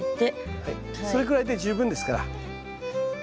それくらいで十分ですから。